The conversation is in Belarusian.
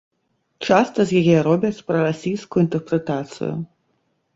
Часта з яе робяць прарасійскую інтэрпрэтацыю.